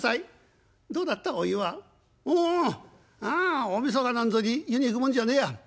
「おお。ああ大みそかなんぞに湯に行くもんじゃねえや。